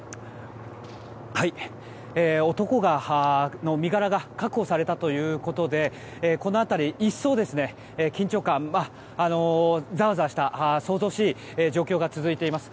男の身柄が確保されたということでこの辺り、一層緊張感、ざわざわしたそうぞうしい状況が続いています。